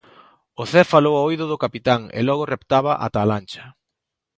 O Zé falou ao oído do capitán e logo reptaba ata a lancha.